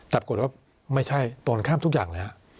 แต่ปรากฏว่าไม่ใช่ตรงข้ามทุกอย่างเลยฮะ